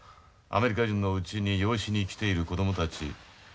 アメリカ人のうちに養子に来ている子供たち。